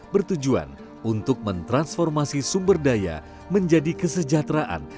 bertujuan untuk mentransformasi sumber daya menjadi kesejahteraan